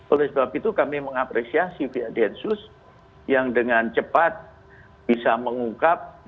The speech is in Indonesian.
oleh sebab itu kami mengapresiasi via densus yang dengan cepat bisa mengungkap bengkel senjata